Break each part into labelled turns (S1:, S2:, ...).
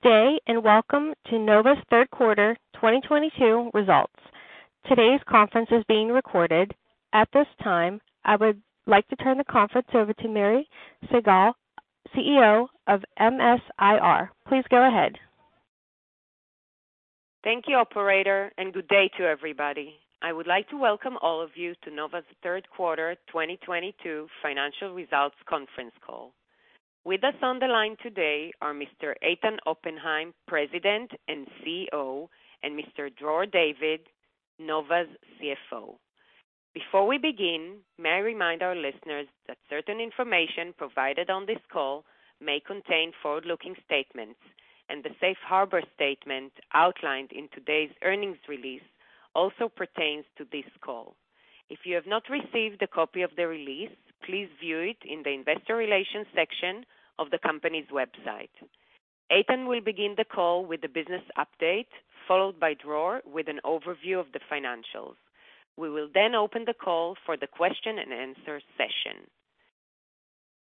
S1: Good day, and welcome to Nova's third quarter 2022 results. Today's conference is being recorded. At this time, I would like to turn the conference over to Miri Segal, CEO of MS-IR. Please go ahead.
S2: Thank you, operator, and good day to everybody. I would like to welcome all of you to Nova's third quarter 2022 financial results conference call. With us on the line today are Mr. Eitan Oppenheim, President and CEO, and Mr. Dror David, Nova's CFO. Before we begin, may I remind our listeners that certain information provided on this call may contain forward-looking statements, and the safe harbor statement outlined in today's earnings release also pertains to this call. If you have not received a copy of the release, please view it in the investor relations section of the company's website. Eitan will begin the call with the business update, followed by Dror with an overview of the financials. We will then open the call for the question-and-answer session.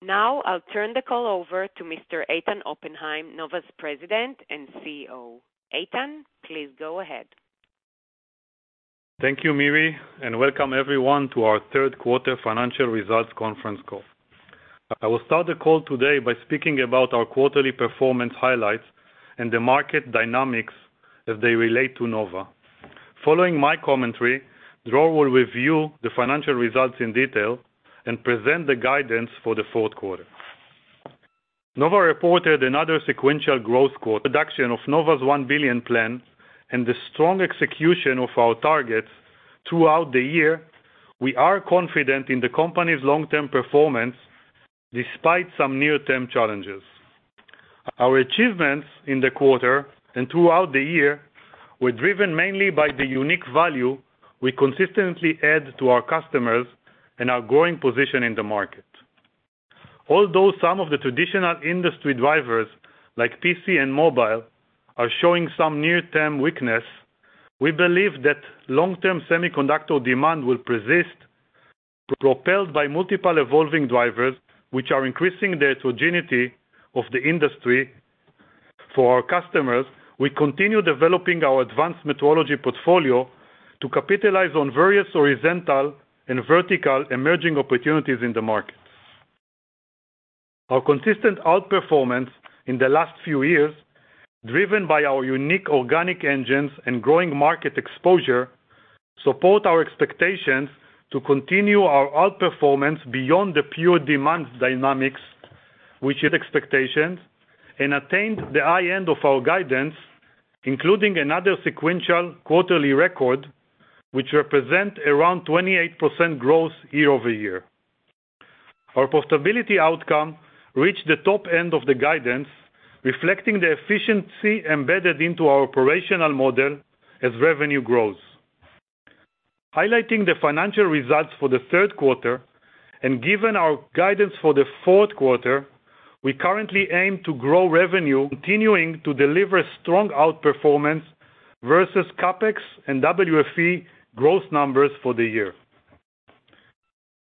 S2: Now, I'll turn the call over to Mr. Eitan Oppenheim, Nova's President and CEO. Eitan, please go ahead.
S3: Thank you, Miri, and welcome everyone to our third quarter financial results conference call. I will start the call today by speaking about our quarterly performance highlights and the market dynamics as they relate to Nova. Following my commentary, Dror will review the financial results in detail and present the guidance for the fourth quarter. Nova reported another sequential growth quarter. Pursuit of Nova's 1 billion plan and the strong execution of our targets throughout the year, we are confident in the company's long-term performance despite some near-term challenges. Our achievements in the quarter and throughout the year were driven mainly by the unique value we consistently add to our customers and our growing position in the market. Although some of the traditional industry drivers, like PC and mobile, are showing some near-term weakness, we believe that long-term semiconductor demand will persist, propelled by multiple evolving drivers, which are increasing the heterogeneity of the industry. For our customers, we continue developing our advanced metrology portfolio to capitalize on various horizontal and vertical emerging opportunities in the market. Our consistent outperformance in the last few years, driven by our unique organic engines and growing market exposure, support our expectations to continue our outperformance beyond the pure demand dynamics, which is expectations, and attained the high end of our guidance, including another sequential quarterly record, which represent around 28% growth year-over-year. Our profitability outcome reached the top end of the guidance, reflecting the efficiency embedded into our operational model as revenue grows. Highlighting the financial results for the third quarter, and given our guidance for the fourth quarter, we currently aim to grow revenue, continuing to deliver strong outperformance versus CapEx and WFE gross numbers for the year.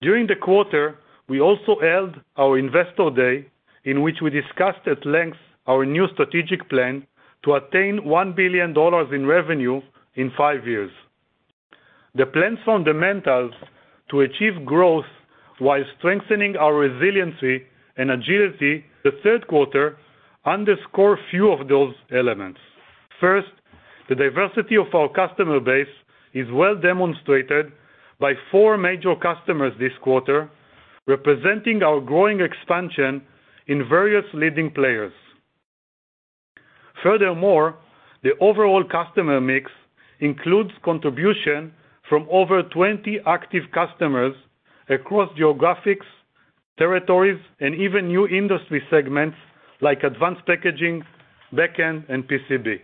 S3: During the quarter, we also held our Investor Day, in which we discussed at length our new strategic plan to attain $1 billion in revenue in five years. The plan's fundamentals to achieve growth while strengthening our resiliency and agility. The third quarter underscores a few of those elements. First, the diversity of our customer base is well demonstrated by four major customers this quarter, representing our growing expansion in various leading players. Furthermore, the overall customer mix includes contribution from over 20 active customers across geographies, territories, and even new industry segments like advanced packaging, backend, and PCB.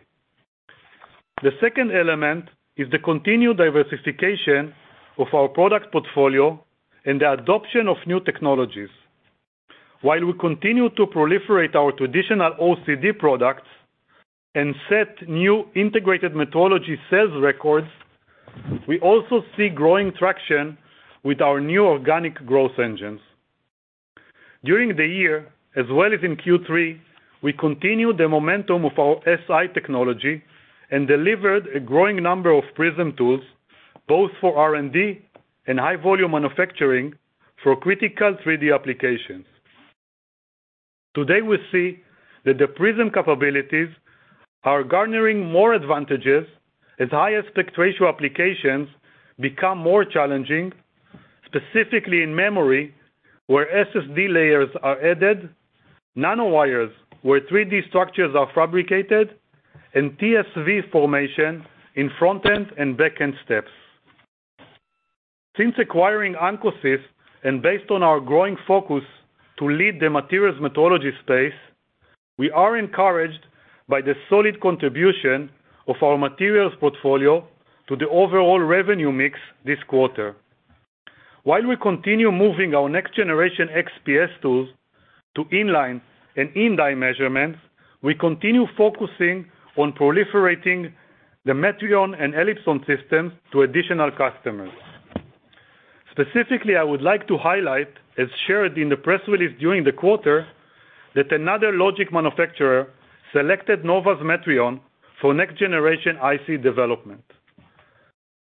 S3: The second element is the continued diversification of our product portfolio and the adoption of new technologies. While we continue to proliferate our traditional OCD products and set new integrated metrology sales records, we also see growing traction with our new organic growth engines. During the year, as well as in Q3, we continued the momentum of our SI technology and delivered a growing number of Prism tools, both for R&D and high-volume manufacturing for critical 3D applications. Today, we see that the Prism capabilities are garnering more advantages as highest aspect ratio applications become more challenging, specifically in memory, where SSD layers are added, nanowires, where 3D structures are fabricated, and TSV formation in front-end and back-end steps. Since acquiring Ancosys, and based on our growing focus to lead the materials metrology space, we are encouraged by the solid contribution of our materials portfolio to the overall revenue mix this quarter. While we continue moving our next-generation XPS tools to in-line and in-die measurements, we continue focusing on proliferating the Metrion and ELIPSON systems to additional customers. Specifically, I would like to highlight, as shared in the press release during the quarter, that another logic manufacturer selected Nova's Metrion for next generation IC development.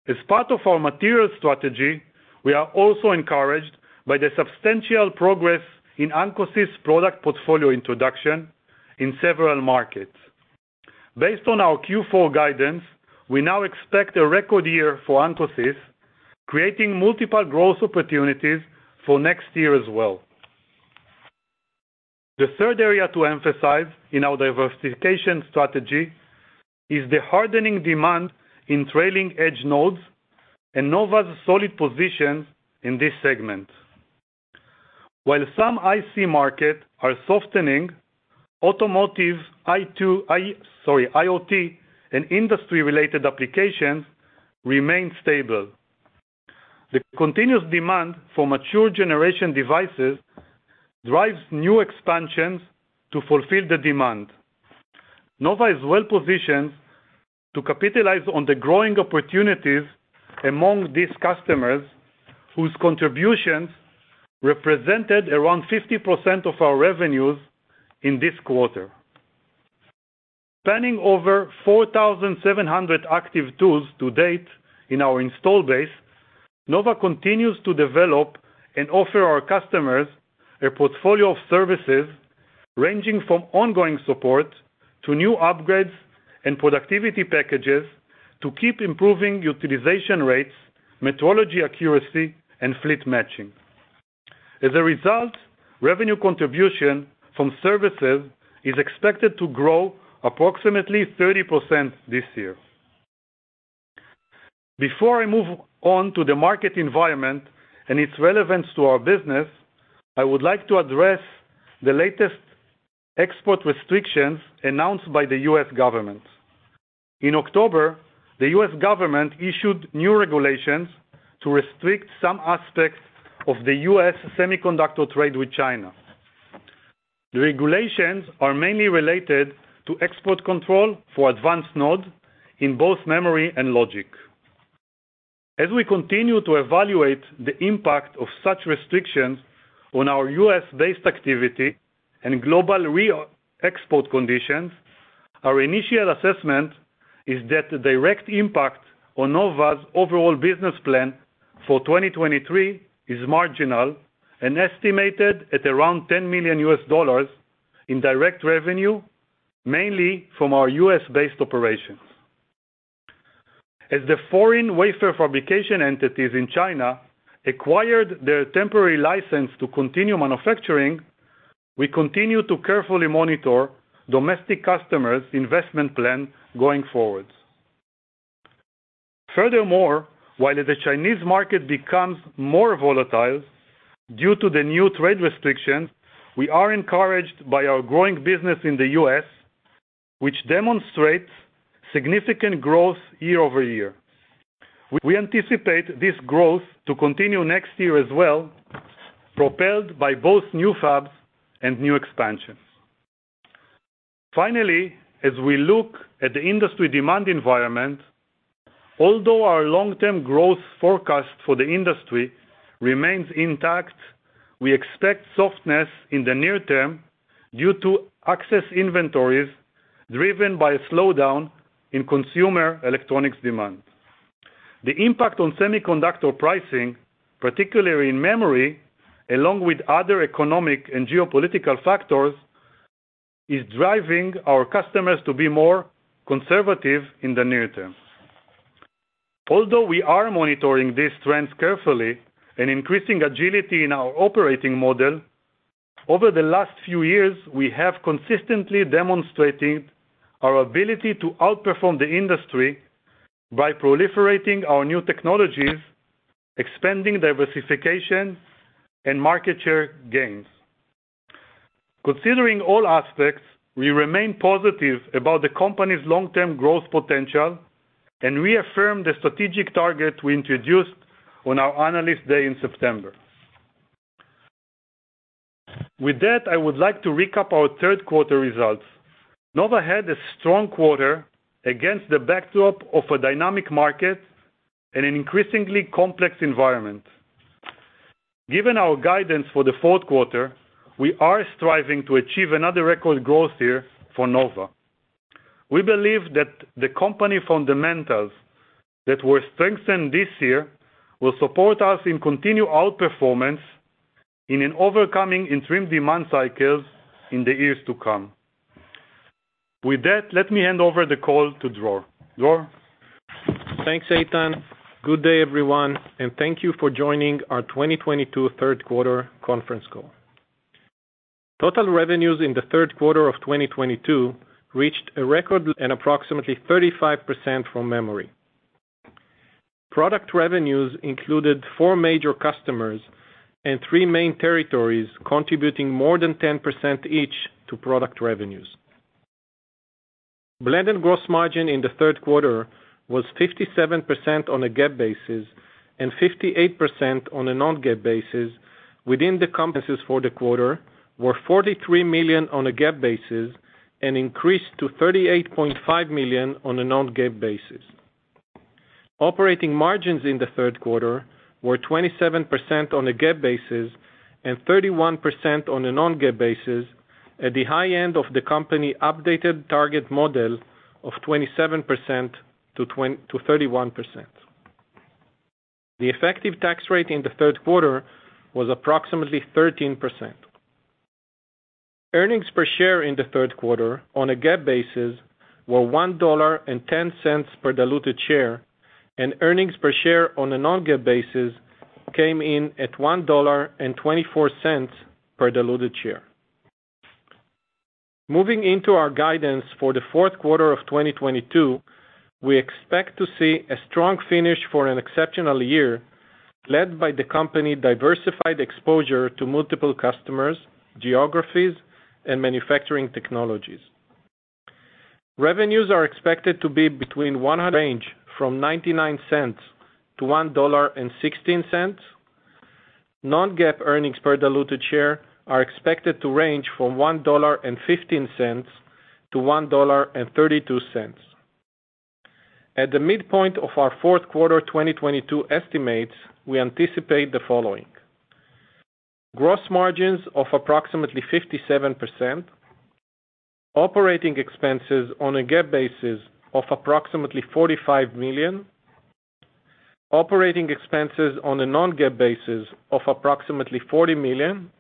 S3: As part of our material strategy, we are also encouraged by the substantial progress in Ancosys product portfolio introduction in several markets. Based on our Q4 guidance, we now expect a record year for Ancosys, creating multiple growth opportunities for next year as well. The third area to emphasize in our diversification strategy is the hardening demand in trailing edge nodes and Nova's solid position in this segment. While some IC markets are softening, automotive IoT and industry-related applications remain stable. The continuous demand for mature generation devices drives new expansions to fulfill the demand. Nova is well-positioned to capitalize on the growing opportunities among these customers, whose contributions represented around 50% of our revenues in this quarter. Spanning over 4,700 active tools to date in our install base, Nova continues to develop and offer our customers a portfolio of services ranging from ongoing support to new upgrades and productivity packages to keep improving utilization rates, metrology accuracy, and fleet matching. As a result, revenue contribution from services is expected to grow approximately 30% this year. Before I move on to the market environment and its relevance to our business, I would like to address the latest export restrictions announced by the U.S. government. In October, the U.S. government issued new regulations to restrict some aspects of the U.S. semiconductor trade with China. The regulations are mainly related to export control for advanced node in both memory and logic. As we continue to evaluate the impact of such restrictions on our U.S.-based activity and global re-export conditions, our initial assessment is that the direct impact on Nova's overall business plan for 2023 is marginal and estimated at around $10 million in direct revenue, mainly from our U.S.-based operations. As the foreign wafer fabrication entities in China acquired their temporary license to continue manufacturing, we continue to carefully monitor domestic customers' investment plan going forward. Furthermore, while the Chinese market becomes more volatile due to the new trade restrictions, we are encouraged by our growing business in the U.S., which demonstrates significant growth year-over-year. We anticipate this growth to continue next year as well, propelled by both new fabs and new expansions. Finally, as we look at the industry demand environment, although our long-term growth forecast for the industry remains intact, we expect softness in the near term due to excess inventories driven by a slowdown in consumer electronics demand. The impact on semiconductor pricing, particularly in memory, along with other economic and geopolitical factors, is driving our customers to be more conservative in the near term. Although we are monitoring these trends carefully and increasing agility in our operating model, over the last few years, we have consistently demonstrated our ability to outperform the industry by proliferating our new technologies, expanding diversification, and market share gains. Considering all aspects, we remain positive about the company's long-term growth potential and reaffirm the strategic target we introduced on our Analyst Day in September. With that, I would like to recap our third quarter results. Nova had a strong quarter against the backdrop of a dynamic market and an increasingly complex environment. Given our guidance for the fourth quarter, we are striving to achieve another record growth year for Nova. We believe that the company fundamentals that were strengthened this year will support us in continued outperformance in overcoming interim demand cycles in the years to come. With that, let me hand over the call to Dror David. Dror David?
S4: Thanks, Eitan. Good day, everyone, and thank you for joining our 2022 third quarter conference call. Total revenues in the third quarter of 2022 reached a record, approximately 35% from memory. Product revenues included four major customers and three main territories contributing more than 10% each to product revenues. Blended gross margin in the third quarter was 57% on a GAAP basis and 58% on a non-GAAP basis. Operating expenses for the quarter were 43 million on a GAAP basis and decreased to 38.5 million on a non-GAAP basis. Operating margins in the third quarter were 27% on a GAAP basis and 31% on a non-GAAP basis at the high end of the company updated target model of 27%-31%. The effective tax rate in the third quarter was approximately 13%. Earnings per share in the third quarter on a GAAP basis were $1.10 per diluted share, and earnings per share on a non-GAAP basis came in at $1.24 per diluted share. Moving into our guidance for the fourth quarter of 2022, we expect to see a strong finish for an exceptional year, led by the company's diversified exposure to multiple customers, geographies, and manufacturing technologies. Revenues are expected to range from $99 million to $116 million. Non-GAAP earnings per diluted share are expected to range from $1.15 to $1.32. At the midpoint of our fourth quarter 2022 estimates, we anticipate the following. Gross margins of approximately 57%. Operating expenses on a GAAP basis of approximately $45 million. Operating expenses on a non-GAAP basis of approximately 40 million.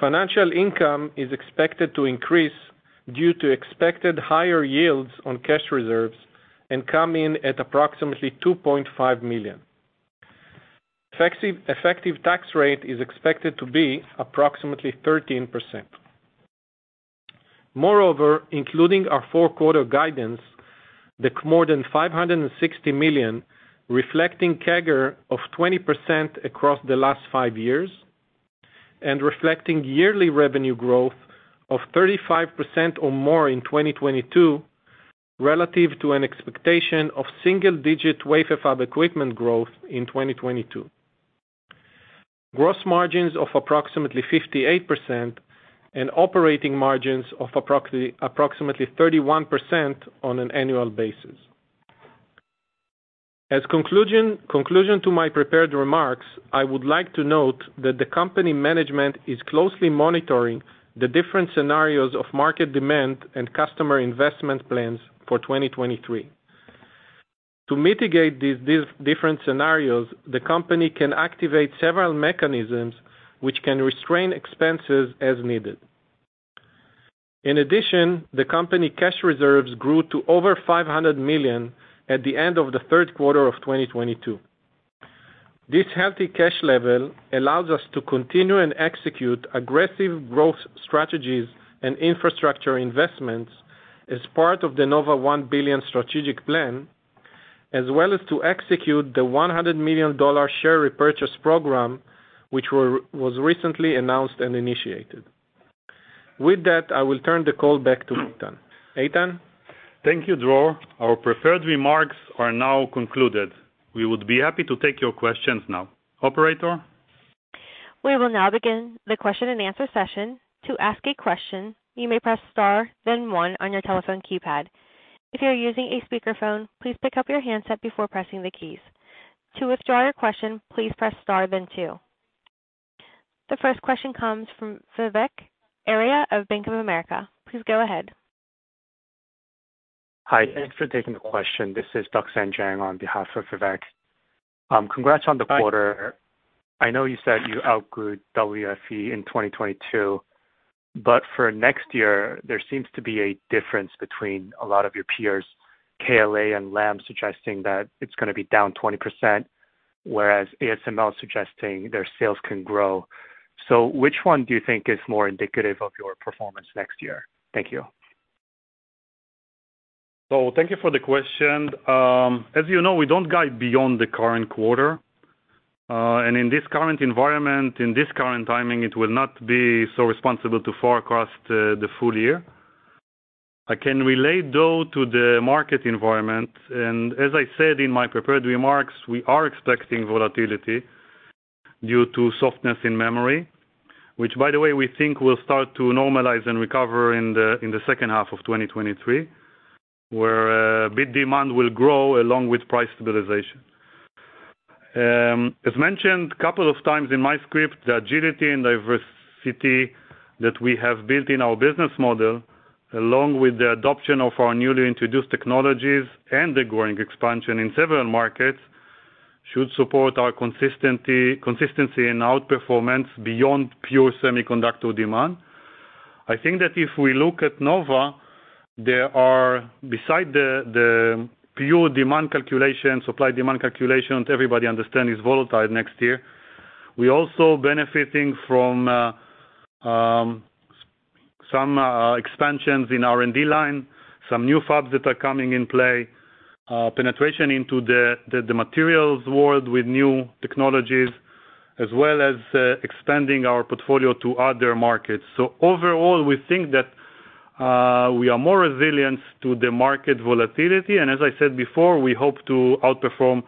S4: Financial income is expected to increase due to expected higher yields on cash reserves and come in at approximately 2.5 million. Effective tax rate is expected to be approximately 13%. Moreover, including our fourth quarter guidance, the more than 560 million, reflecting CAGR of 20% across the last five years and reflecting yearly revenue growth of 35% or more in 2022 relative to an expectation of single-digit wafer fab equipment growth in 2022. Gross margins of approximately 58% and operating margins of approximately 31% on an annual basis. As conclusion to my prepared remarks, I would like to note that the company management is closely monitoring the different scenarios of market demand and customer investment plans for 2023. To mitigate these different scenarios, the company can activate several mechanisms which can restrain expenses as needed. In addition, the company's cash reserves grew to over 500 million at the end of the third quarter of 2022. This healthy cash level allows us to continue and execute aggressive growth strategies and infrastructure investments as part of the Nova $1 billion strategic plan, as well as to execute the $100 million share repurchase program, which was recently announced and initiated. With that, I will turn the call back to Eitan. Eitan?
S3: Thank you, Dror. Our prepared remarks are now concluded. We would be happy to take your questions now. Operator?
S1: We will now begin the question and answer session. To ask a question, you may press Star, then one on your telephone keypad. If you're using a speaker phone, please pick up your handset before pressing the keys. To withdraw your question, please press Star then two. The first question comes from Vivek Arya of Bank of America. Please go ahead.
S5: Hi. Thanks for taking the question. This is Duksen Jang on behalf of Vivek Arya. Congrats on the quarter. I know you said you outgrew WFE in 2022, but for next year, there seems to be a difference between a lot of your peers, KLA and Lam suggesting that it's gonna be down 20%, whereas ASML suggesting their sales can grow. Which one do you think is more indicative of your performance next year? Thank you.
S3: Thank you for the question. As you know, we don't guide beyond the current quarter, and in this current environment, in this current timing, it will not be so responsible to forecast the full year. I can relate, though, to the market environment, and as I said in my prepared remarks, we are expecting volatility due to softness in memory, which, by the way, we think will start to normalize and recover in the H2 of 2023, where bit demand will grow along with price stabilization. As mentioned a couple of times in my script, the agility and diversity that we have built in our business model, along with the adoption of our newly introduced technologies and the growing expansion in several markets, should support our consistency and outperformance beyond pure semiconductor demand. I think that if we look at Nova, there are, besides the pure demand calculation, supply demand calculation, everybody understand is volatile next year. We also benefiting from some expansions in R&D line, some new fabs that are coming in play, penetration into the materials world with new technologies, as well as expanding our portfolio to other markets. Overall, we think that we are more resilient to the market volatility, and as I said before, we hope to outperform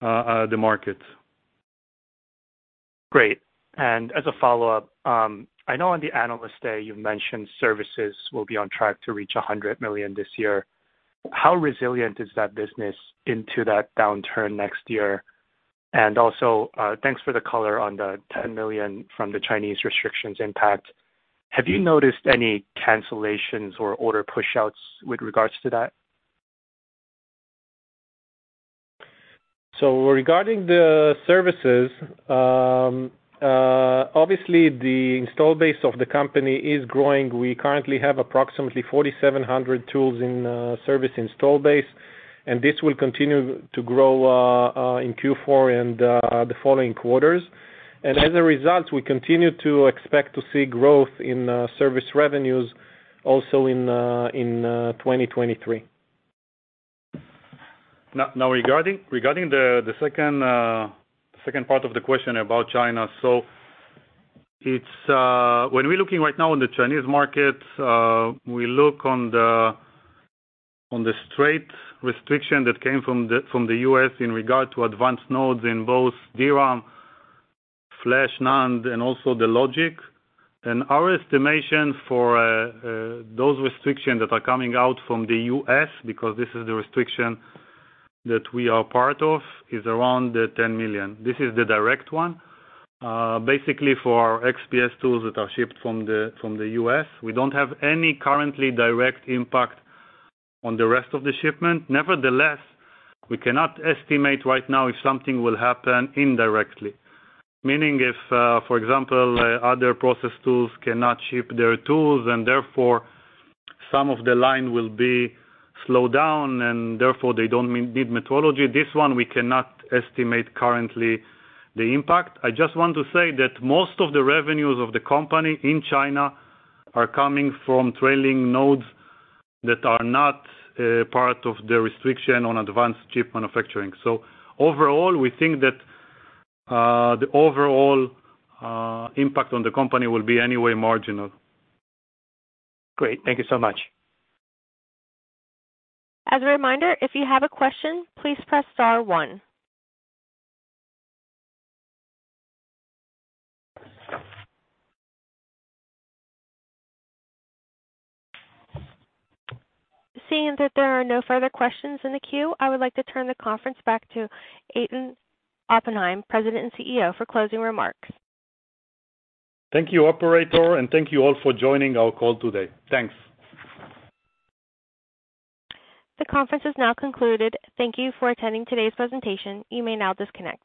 S3: the market.
S5: Great. As a follow-up, I know on the Analyst Day you mentioned services will be on track to reach $100 million this year. How resilient is that business into that downturn next year? Also, thanks for the color on the $10 million from the Chinese restrictions impact. Have you noticed any cancellations or order push-outs with regards to that?
S3: Regarding the services, obviously the installed base of the company is growing. We currently have approximately 4,700 tools in service installed base, and this will continue to grow in Q4 and the following quarters. As a result, we continue to expect to see growth in service revenues also in 2023. Now regarding the second part of the question about China. It's when we're looking right now in the Chinese market. We look at the trade restriction that came from the US in regard to advanced nodes in both DRAM, Flash NAND, and also the logic. Our estimation for those restrictions that are coming out from the US, because this is the restriction that we are part of, is around $10 million. This is the direct one. Basically for our XPS tools that are shipped from the US. We don't have any currently direct impact on the rest of the shipment. Nevertheless, we cannot estimate right now if something will happen indirectly. Meaning if, for example, other process tools cannot ship their tools and therefore some of the line will be slowed down and therefore they don't need metrology. This one we cannot estimate currently the impact. I just want to say that most of the revenues of the company in China are coming from trailing nodes that are not part of the restriction on advanced chip manufacturing. Overall, we think that the overall impact on the company will be anyway marginal.
S5: Great. Thank you so much.
S1: As a reminder, if you have a question, please press star one. Seeing that there are no further questions in the queue, I would like to turn the conference back to Eitan Oppenheim, President and CEO, for closing remarks.
S3: Thank you, operator, and thank you all for joining our call today. Thanks.
S1: The conference is now concluded. Thank you for attending today's presentation. You may now disconnect.